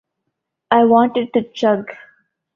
I want it to chug.